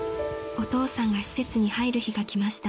［お父さんが施設に入る日が来ました］